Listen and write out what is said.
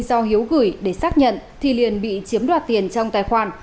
do hiếu gửi để xác nhận thì liền bị chiếm đoạt tiền trong tài khoản